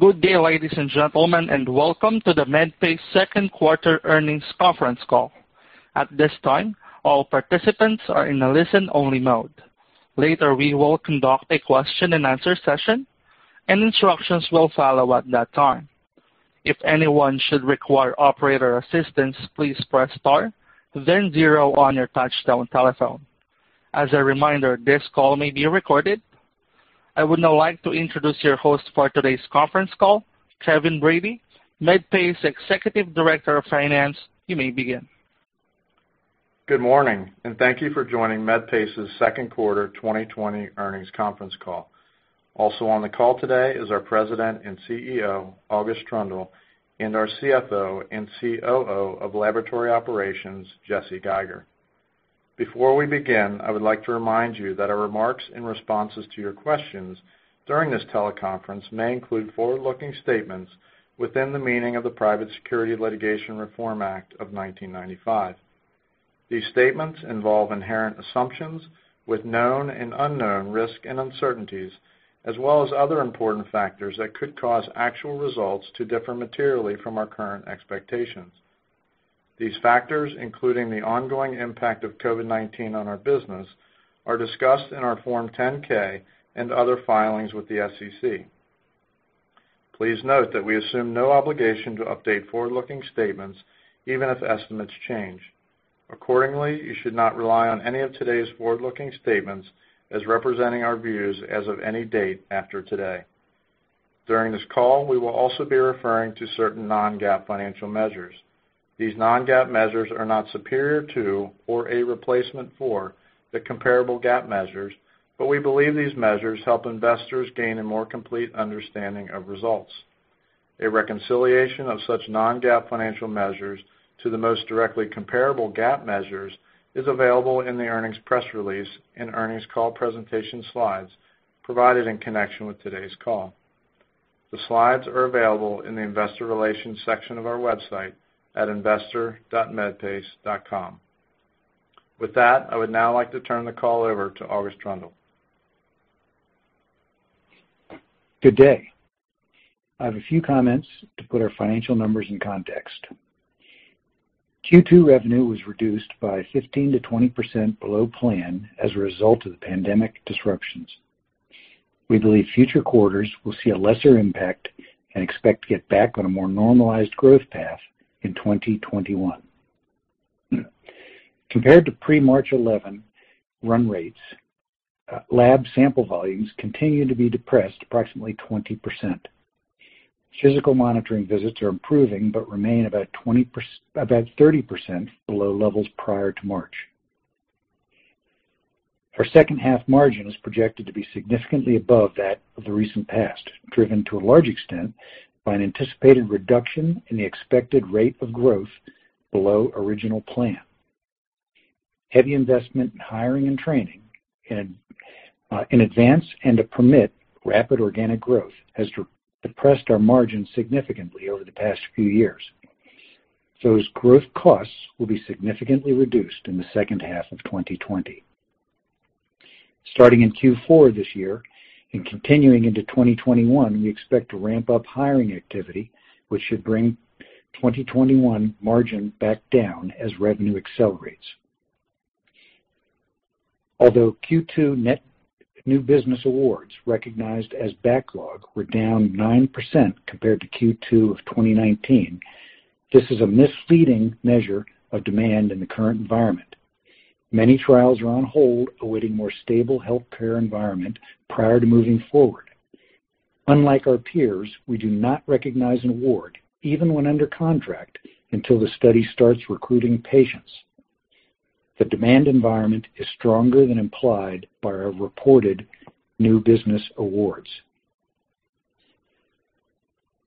Good day, ladies and gentlemen, and welcome to the Medpace Second Quarter Earnings Conference Call. At this time, all participants are in a listen-only mode. Later, we will conduct a question-and-answer session, and instructions will follow at that time. If anyone should require operator assistance, please press star then zero on your touchtone telephone. As a reminder, this call may be recorded. I would now like to introduce your host for today's conference call, Kevin Brady, Medpace Executive Director of Finance. You may begin. Good morning, and thank you for joining Medpace's Second Quarter 2020 Earnings Conference Call. Also on the call today is our President and CEO, August Troendle, and our CFO and COO of Laboratory Operations, Jesse Geiger. Before we begin, I would like to remind you that our remarks and responses to your questions during this teleconference may include forward-looking statements within the meaning of the Private Securities Litigation Reform Act of 1995. These statements involve inherent assumptions with known and unknown risks and uncertainties, as well as other important factors that could cause actual results to differ materially from our current expectations. These factors, including the ongoing impact of COVID-19 on our business, are discussed in our Form 10-K and other filings with the SEC. Please note that we assume no obligation to update forward-looking statements even if estimates change. Accordingly, you should not rely on any of today's forward-looking statements as representing our views as of any date after today. During this call, we will also be referring to certain non-GAAP financial measures. These non-GAAP measures are not superior to or a replacement for the comparable GAAP measures, but we believe these measures help investors gain a more complete understanding of results. A reconciliation of such non-GAAP financial measures to the most directly comparable GAAP measures is available in the earnings press release and earnings call presentation slides provided in connection with today's call. The slides are available in the investor relations section of our website at investor.medpace.com. With that, I would now like to turn the call over to August Troendle. Good day. I have a few comments to put our financial numbers in context. Q2 revenue was reduced by 15%-20% below plan as a result of the pandemic disruptions. We believe future quarters will see a lesser impact and expect to get back on a more normalized growth path in 2021. Compared to pre-March 11 run rates, lab sample volumes continue to be depressed approximately 20%. Physical monitoring visits are improving but remain about 30% below levels prior to March. Our second half margin is projected to be significantly above that of the recent past, driven to a large extent by an anticipated reduction in the expected rate of growth below original plan. Heavy investment in hiring and training in advance and to permit rapid organic growth has depressed our margin significantly over the past few years. Those growth costs will be significantly reduced in the second half of 2020. Starting in Q4 this year and continuing into 2021, we expect to ramp up hiring activity, which should bring 2021 margin back down as revenue accelerates. Although Q2 net new business awards recognized as backlog were down 9% compared to Q2 of 2019, this is a misleading measure of demand in the current environment. Many trials are on hold, awaiting more stable healthcare environment prior to moving forward. Unlike our peers, we do not recognize an award, even when under contract, until the study starts recruiting patients. The demand environment is stronger than implied by our reported new business awards.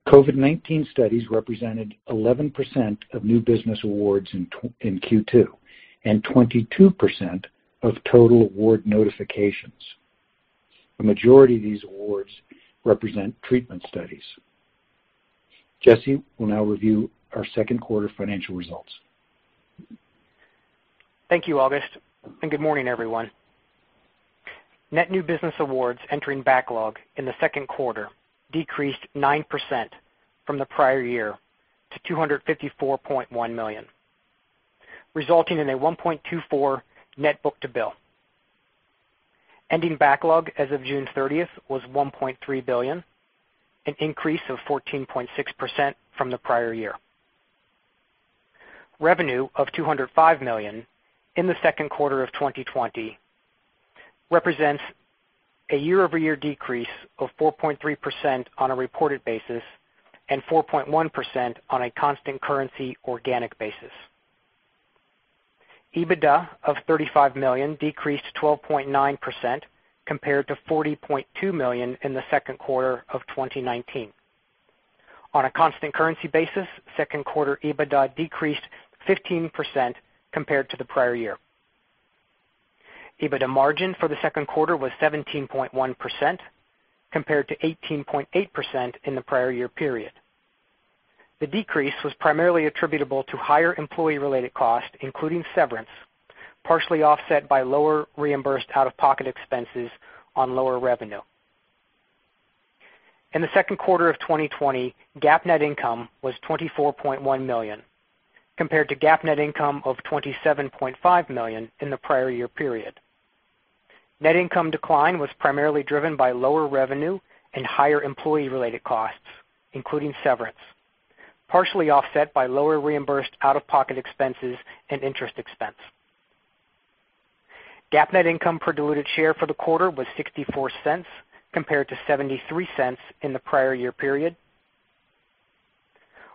COVID-19 studies represented 11% of new business awards in Q2 and 22% of total award notifications. The majority of these awards represent treatment studies. Jesse will now review our second quarter financial results. Thank you, August, and good morning, everyone. Net new business awards entering backlog in the second quarter decreased 9% from the prior year to $254.1 million, resulting in a 1.24 net book-to-bill. Ending backlog as of June 30th was $1.3 billion, an increase of 14.6% from the prior year. Revenue of $205 million in the second quarter of 2020 represents a year-over-year decrease of 4.3% on a reported basis and 4.1% on a constant currency organic basis. EBITDA of $35 million decreased 12.9% compared to $40.2 million in the second quarter of 2019. On a constant currency basis, second quarter EBITDA decreased 15% compared to the prior year. EBITDA margin for the second quarter was 17.1% compared to 18.8% in the prior year period. The decrease was primarily attributable to higher employee-related costs, including severance, partially offset by lower reimbursed out-of-pocket expenses on lower revenue. In the second quarter of 2020, GAAP net income was $24.1 million, compared to GAAP net income of $27.5 million in the prior year period. Net income decline was primarily driven by lower revenue and higher employee-related costs, including severance, partially offset by lower reimbursed out-of-pocket expenses and interest expense. GAAP net income per diluted share for the quarter was $0.64 compared to $0.73 in the prior year period.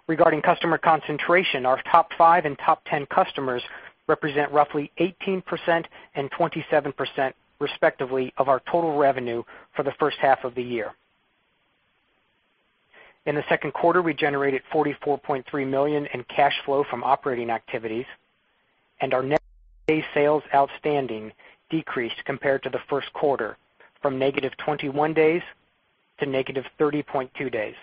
Regarding customer concentration, our top five and top 10 customers represent roughly 18% and 27%, respectively, of our total revenue for the first half of the year. In the second quarter, we generated $44.3 million in cash flow from operating activities, and our net days sales outstanding decreased compared to the first quarter from negative 21 days-negative 30.2 days.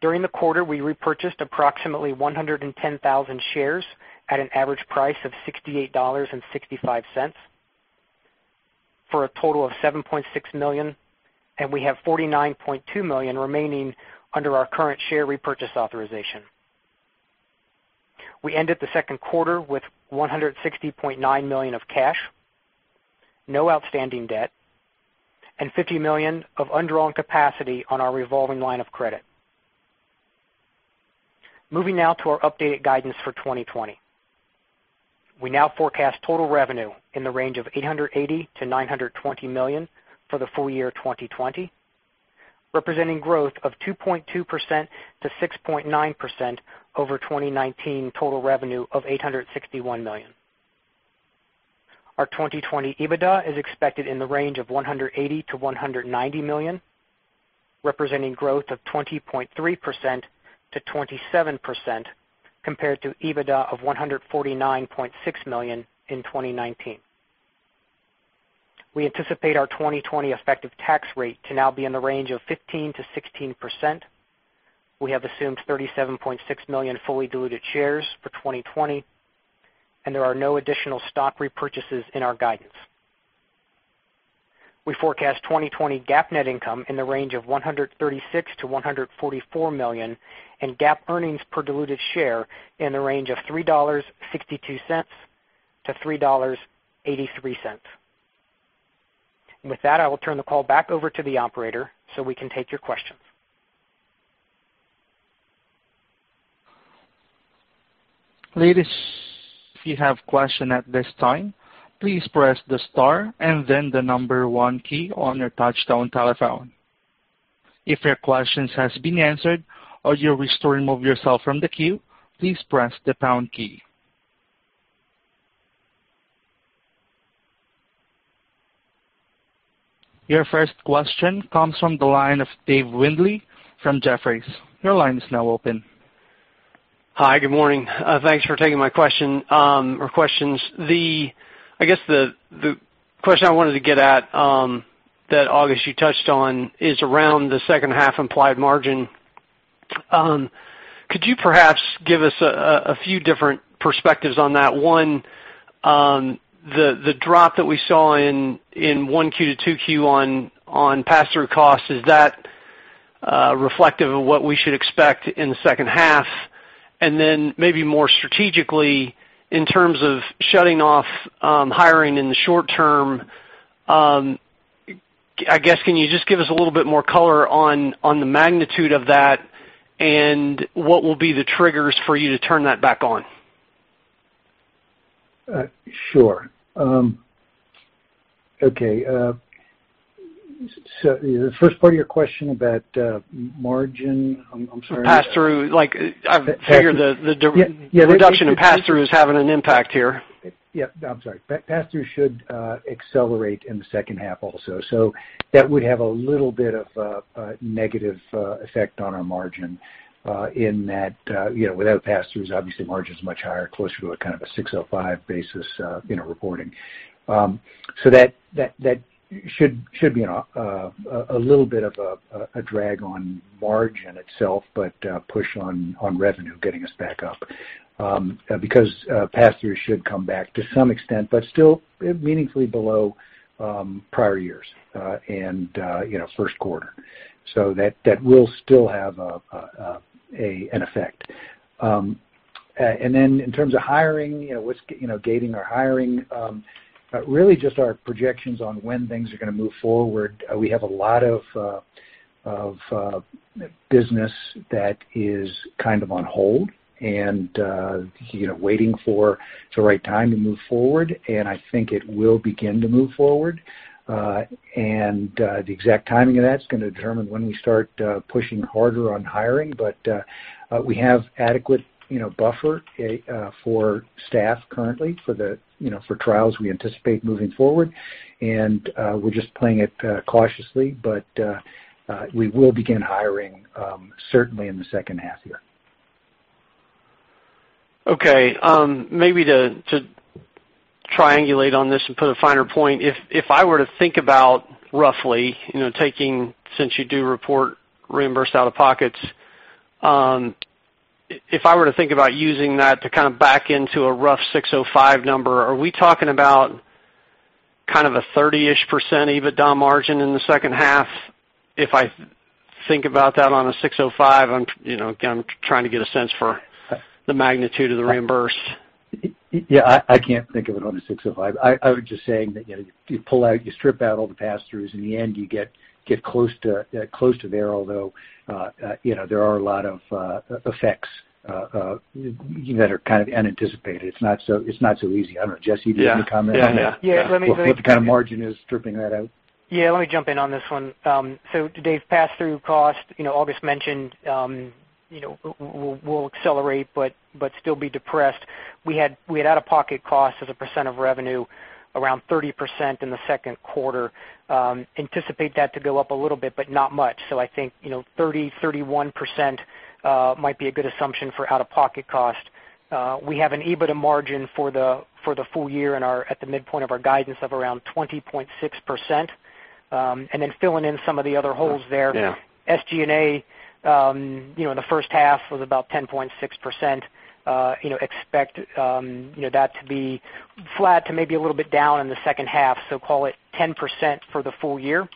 During the quarter, we repurchased approximately 110,000 shares at an average price of $68.65 for a total of $7.6 million, and we have $49.2 million remaining under our current share repurchase authorization. We ended the second quarter with $160.9 million of cash, no outstanding debt, and $50 million of undrawn capacity on our revolving line of credit. Moving now to our updated guidance for 2020. We now forecast total revenue in the range of $880 million-$920 million for the full year 2020, representing growth of 2.2%-6.9% over 2019 total revenue of $861 million. Our 2020 EBITDA is expected in the range of $180 million-$190 million, representing growth of 20.3%-27% compared to EBITDA of $149.6 million in 2019. We anticipate our 2020 effective tax rate to now be in the range of 15%-16%. We have assumed 37.6 million fully diluted shares for 2020, and there are no additional stock repurchases in our guidance. We forecast 2020 GAAP net income in the range of $136 million-$144 million and GAAP earnings per diluted share in the range of $3.62-$3.83. With that, I will turn the call back over to the operator so we can take your questions. Ladies, if you have question at this time, please press the star and then the number one key on your touchtone telephone. If your questions has been answered or you wish to remove yourself from the queue, please press the pound key. Your first question comes from the line of Dave Windley from Jefferies. Your line is now open. Hi. Good morning. Thanks for taking my question or questions. I guess the question I wanted to get at, that August you touched on, is around the second half implied margin. Could you perhaps give us a few different perspectives on that? One, the drop that we saw in Q1 to Q2 on pass-through costs, is that reflective of what we should expect in the second half? Maybe more strategically, in terms of shutting off hiring in the short term, I guess, can you just give us a little bit more color on the magnitude of that and what will be the triggers for you to turn that back on? Sure. Okay. The first part of your question about margin, I'm sorry. Pass-through. I figure. Pass-through. Yeah. reduction in pass-through is having an impact here. I'm sorry. Pass-through should accelerate in the second half also. That would have a little bit of a negative effect on our margin, in that, without pass-throughs, obviously margin's much higher, closer to a kind of a 606 basis in our reporting. That should be a little bit of a drag on margin itself, but a push on revenue getting us back up. Pass-throughs should come back to some extent, but still meaningfully below prior years and first quarter. That will still have an effect. In terms of hiring, what's gating our hiring, really just our projections on when things are going to move forward. We have a lot of business that is kind of on hold and waiting for the right time to move forward, I think it will begin to move forward. The exact timing of that's going to determine when we start pushing harder on hiring. We have adequate buffer for staff currently for trials we anticipate moving forward, and we're just playing it cautiously. We will begin hiring certainly in the second half year. Okay. Maybe to triangulate on this and put a finer point, since you do report reimbursed out-of-pockets, if I were to think about using that to back into a rough 606 number, are we talking about a 30%ish EBITDA margin in the second half? If I think about that on a 606, I'm trying to get a sense for the magnitude of the reimburse. Yeah, I can't think of it on a 606. I was just saying that you strip out all the pass-throughs, in the end, you get close to there, although there are a lot of effects that are kind of unanticipated. It's not so easy. I don't know, Jesse, do you have any comments? Yeah on what the kind of margin is stripping that out? Yeah, let me jump in on this one. Dave, pass-through cost, August mentioned will accelerate but still be depressed. We had out-of-pocket cost as a percent of revenue around 30% in the second quarter. Anticipate that to go up a little bit, not much. I think 30%-31% might be a good assumption for out-of-pocket cost. We have an EBITDA margin for the full year at the midpoint of our guidance of around 20.6%. Filling in some of the other holes there. Yeah. SG&A, the first half was about 10.6%. Expect that to be flat to maybe a little bit down in the second half, so call it 10% for the full year.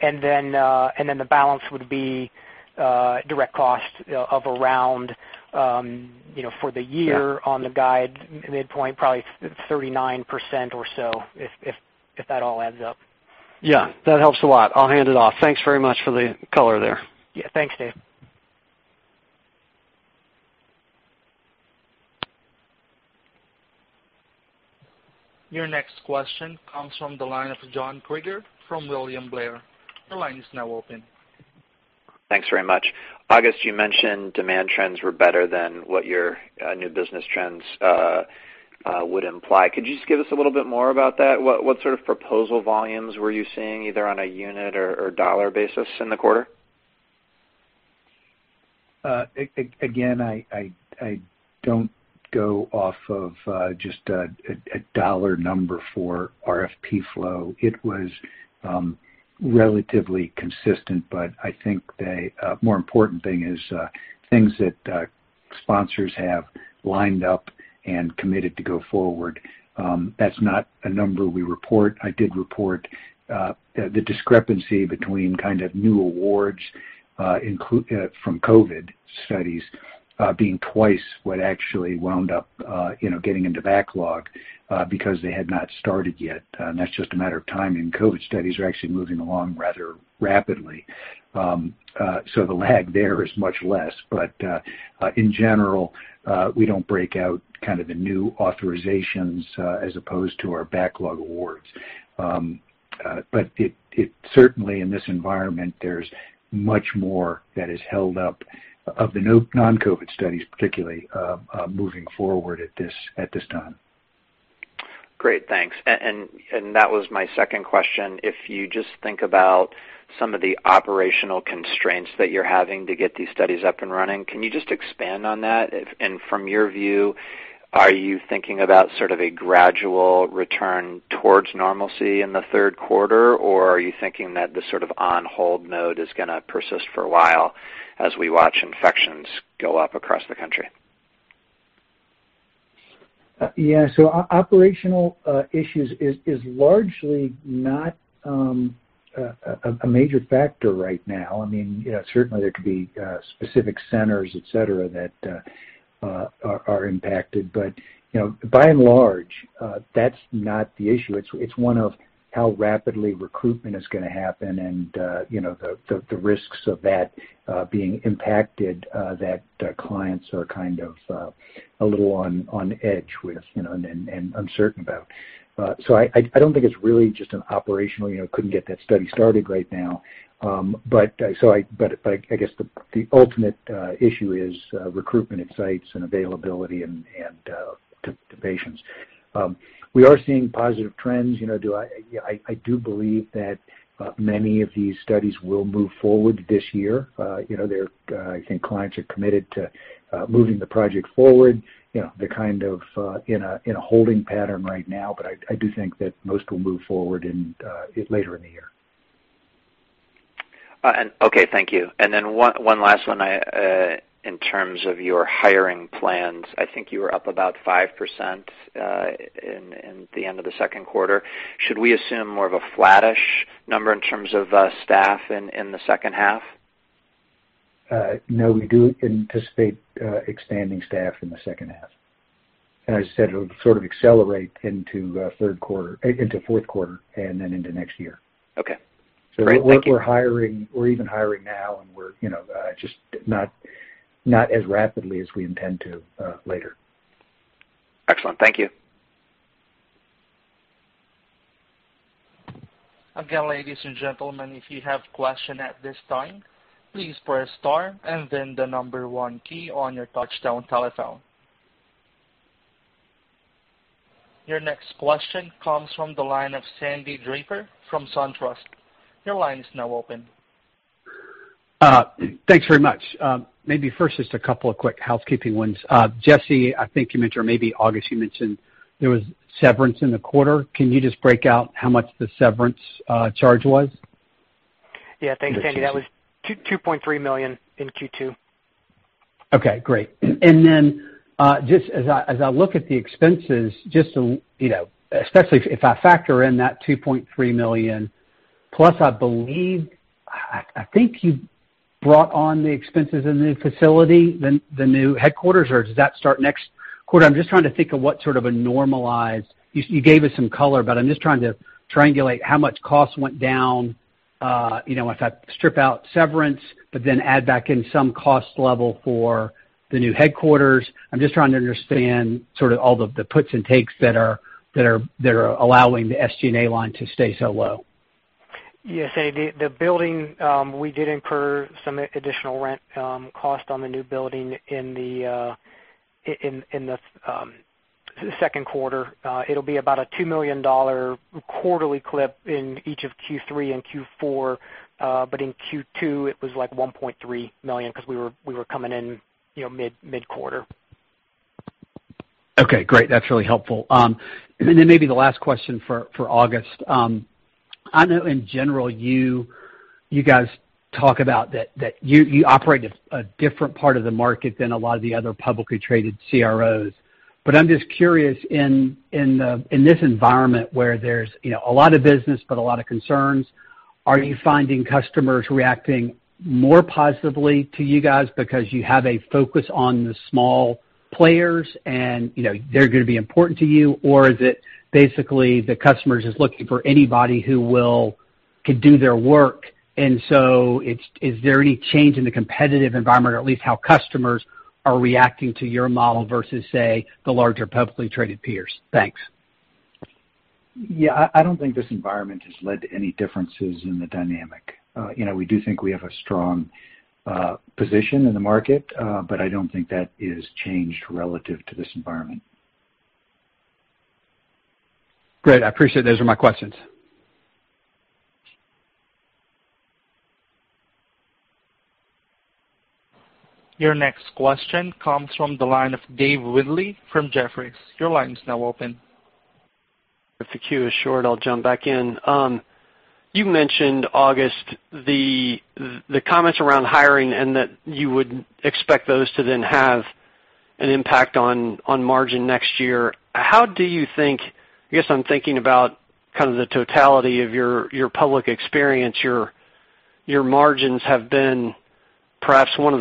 The balance would be direct cost of around, for the year. Yeah on the guide midpoint, probably 39% or so, if that all adds up. Yeah, that helps a lot. I'll hand it off. Thanks very much for the color there. Yeah. Thanks, Dave. Your next question comes from the line of John Kreger from William Blair. Your line is now open. Thanks very much. August, you mentioned demand trends were better than what your new business trends would imply. Could you just give us a little bit more about that? What sort of proposal volumes were you seeing, either on a unit or dollar basis in the quarter? Again, I don't go off of just a dollar number for RFP flow. It was relatively consistent, I think the more important thing is things that sponsors have lined up and committed to go forward. That's not a number we report. I did report the discrepancy between new awards from COVID studies being twice what actually wound up getting into backlog because they had not started yet. That's just a matter of time, and COVID studies are actually moving along rather rapidly. The lag there is much less. In general, we don't break out the new authorizations as opposed to our backlog awards. Certainly in this environment, there's much more that is held up of the non-COVID studies, particularly, moving forward at this time. Great, thanks. That was my second question. If you just think about some of the operational constraints that you're having to get these studies up and running, can you just expand on that? From your view, are you thinking about sort of a gradual return towards normalcy in the third quarter, or are you thinking that the sort of on-hold mode is going to persist for a while as we watch infections go up across the country? Yeah. operational issues is largely not a major factor right now. Certainly there could be specific centers, et cetera, that are impacted, but by and large, that's not the issue. It's one of how rapidly recruitment is going to happen and the risks of that being impacted, that clients are kind of a little on edge with and uncertain about. I don't think it's really just an operational, Couldn't get that study started right now. I guess the ultimate issue is recruitment at sites and availability to patients. We are seeing positive trends. I do believe that many of these studies will move forward this year. I think clients are committed to moving the project forward. They're kind of in a holding pattern right now, but I do think that most will move forward later in the year. Okay, thank you. One last one, in terms of your hiring plans. I think you were up about 5% in the end of the second quarter. Should we assume more of a flattish number in terms of staff in the second half? No, we do anticipate expanding staff in the second half. As I said, it'll sort of accelerate into fourth quarter and then into next year. Okay. Great. Thank you. We're even hiring now, and just not as rapidly as we intend to later. Excellent. Thank you. Again, ladies and gentlemen, if you have question at this time, please press star and then the number one key on your touchtone telephone. Your next question comes from the line of Sandy Draper from SunTrust. Your line is now open. Thanks very much. Maybe first, just a couple of quick housekeeping ones. Jesse, I think you mentioned, or maybe August, you mentioned there was severance in the quarter. Can you just break out how much the severance charge was? Yeah. Thanks, Sandy. That was $2.3 million in Q2. Okay, great. Just as I look at the expenses, especially if I factor in that $2.3 million, plus I believe, I think you brought on the expenses in the new facility, the new headquarters, or does that start next quarter? I'm just trying to think of what sort of a normalized. You gave us some color, but I'm just trying to triangulate how much cost went down, if I strip out severance, but then add back in some cost level for the new headquarters. I'm just trying to understand sort of all the puts and takes that are allowing the SG&A line to stay so low. Yeah. Sandy, the building, we did incur some additional rent cost on the new building in the second quarter. It'll be about a $2 million quarterly clip in each of Q3 and Q4. In Q2, it was like $1.3 million because we were coming in mid-quarter. Okay, great. That's really helpful. Maybe the last question for August. I know in general, you guys talk about that you operate a different part of the market than a lot of the other publicly traded CROs. I'm just curious in this environment where there's a lot of business, but a lot of concerns, are you finding customers reacting more positively to you guys because you have a focus on the small players and they're going to be important to you? Is it basically the customer is just looking for anybody who could do their work, and so is there any change in the competitive environment, or at least how customers are reacting to your model versus, say, the larger publicly traded peers? Thanks. Yeah, I don't think this environment has led to any differences in the dynamic. We do think we have a strong position in the market, but I don't think that is changed relative to this environment. Great. I appreciate it. Those are my questions. Your next question comes from the line of Dave Windley from Jefferies. Your line is now open. If the queue is short, I'll jump back in. You mentioned, August, the comments around hiring and that you would expect those to then have an impact on margin next year. How do you think, I guess I'm thinking about the totality of your public experience, your margins have been perhaps one of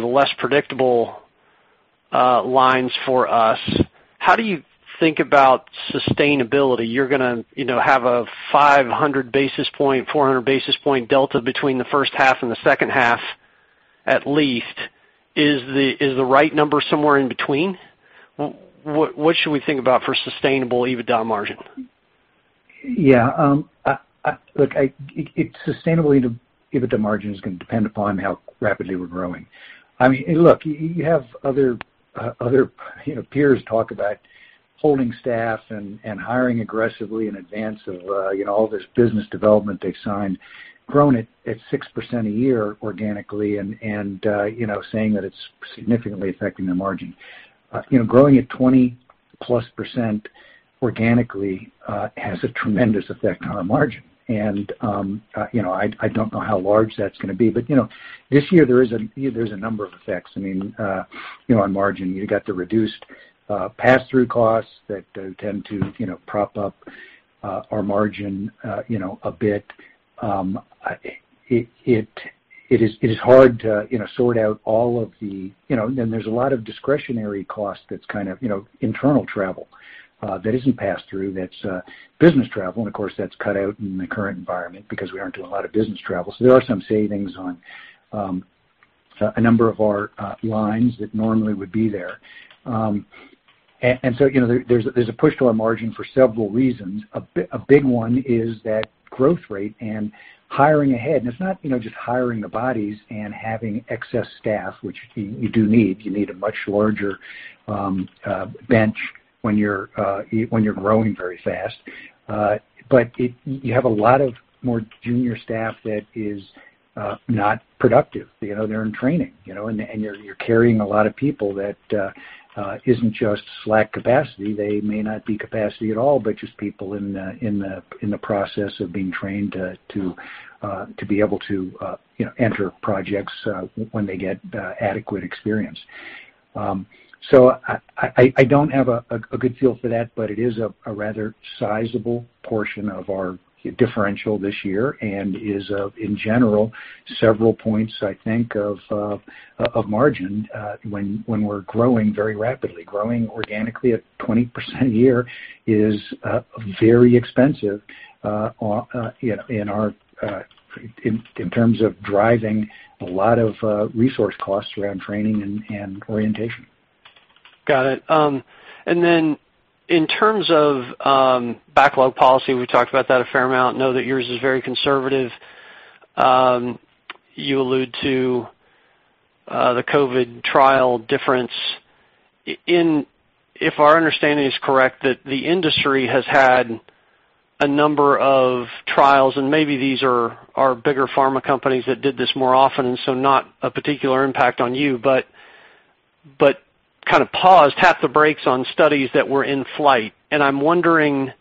the less predictable lines for us. How do you think about sustainability? You're going to have a 500 basis point, 400 basis point delta between the first half and the second half, at least. Is the right number somewhere in between? What should we think about for sustainable EBITDA margin? Yeah. Sustainability to EBITDA margin is going to depend upon how rapidly we're growing. You have other peers talk about holding staff and hiring aggressively in advance of all this business development they've signed, growing it at 6% a year organically, and saying that it's significantly affecting the margin. Growing at 20%+ organically has a tremendous effect on our margin. I don't know how large that's going to be, this year there's a number of effects on margin. You got the reduced pass-through costs that tend to prop up our margin a bit. It is hard to sort out and there's a lot of discretionary costs that's internal travel that isn't passed through. That's business travel, of course, that's cut out in the current environment because we aren't doing a lot of business travel. There are some savings on a number of our lines that normally would be there. There's a push to our margin for several reasons. A big one is that growth rate and hiring ahead. It's not just hiring the bodies and having excess staff, which you do need. You need a much larger bench when you're growing very fast. You have a lot of more junior staff that is not productive. They're in training, and you're carrying a lot of people that isn't just slack capacity. They may not be capacity at all, but just people in the process of being trained to be able to enter projects when they get adequate experience. I don't have a good feel for that, but it is a rather sizable portion of our differential this year and is, in general, several points, I think, of margin when we're growing very rapidly. Growing organically at 20% a year is very expensive in terms of driving a lot of resource costs around training and orientation. Got it. In terms of backlog policy, we talked about that a fair amount. Know that yours is very conservative. You allude to the COVID trial difference. If our understanding is correct, that the industry has had a number of trials, and maybe these are bigger pharma companies that did this more often, and so not a particular impact on you, but kind of paused, tapped the brakes on studies that were in flight. I'm wondering,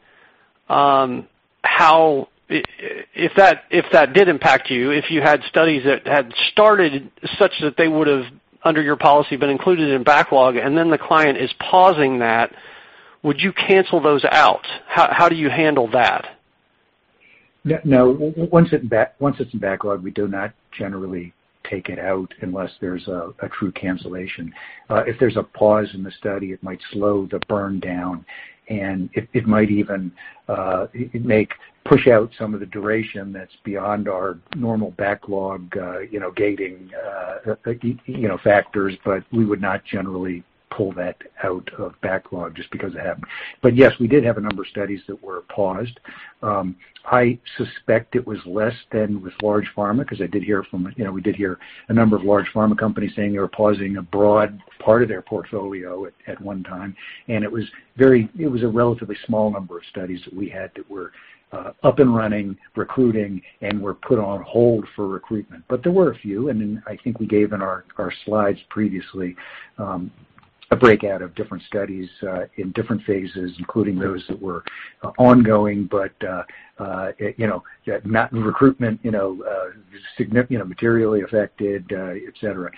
if that did impact you, if you had studies that had started such that they would've, under your policy, been included in backlog, and then the client is pausing that, would you cancel those out? How do you handle that? No. Once it's in backlog, we do not generally take it out unless there's a true cancellation. If there's a pause in the study, it might slow the burn down, and it might even push out some of the duration that's beyond our normal backlog gating factors, but we would not generally pull that out of backlog just because it happened. Yes, we did have a number of studies that were paused. I suspect it was less than with large pharma, because we did hear a number of large pharma companies saying they were pausing a broad part of their portfolio at one time. It was a relatively small number of studies that we had that were up and running, recruiting, and were put on hold for recruitment. There were a few, and then I think we gave in our slides previously, a breakout of different studies, in different phases, including those that were ongoing but that recruitment materially affected, et cetera.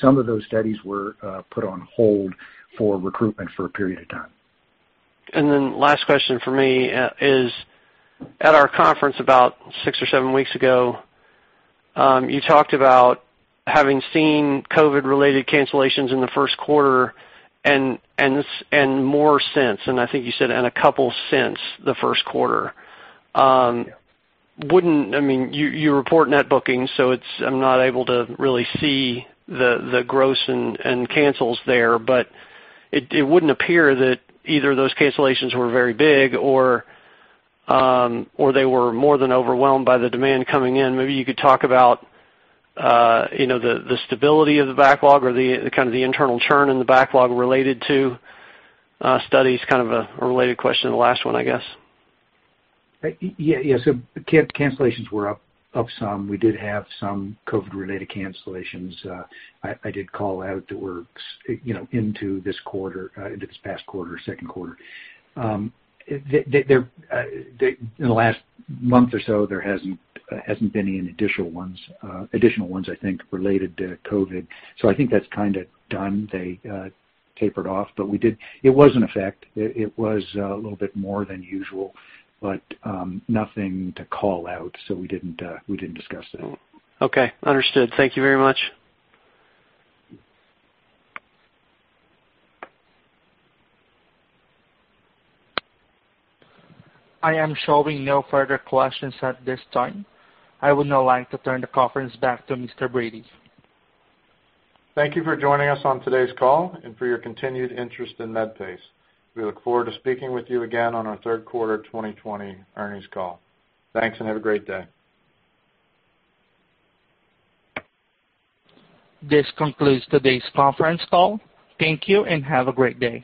Some of those studies were put on hold for recruitment for a period of time. Last question from me is, at our conference about six or seven weeks ago, you talked about having seen COVID-related cancellations in the first quarter and more since, and I think you said, and a couple since the first quarter. You report net bookings, so I'm not able to really see the gross and cancels there, but it wouldn't appear that either those cancellations were very big or they were more than overwhelmed by the demand coming in. Maybe you could talk about the stability of the backlog or the internal churn in the backlog related to studies. Kind of a related question to the last one, I guess. Yeah. Cancellations were up some. We did have some COVID-related cancellations. I did call out that were into this past quarter, second quarter. In the last month or so, there hasn't been any additional ones, I think, related to COVID. I think that's kind of done. They tapered off. It was an effect. It was a little bit more than usual, but nothing to call out, so we didn't discuss that. Okay. Understood. Thank you very much. I am showing no further questions at this time. I would now like to turn the conference back to Mr. Brady. Thank you for joining us on today's call and for your continued interest in Medpace. We look forward to speaking with you again on our Third Quarter 2020 Earnings Call. Thanks. Have a great day. This concludes today's conference call. Thank you, and have a great day.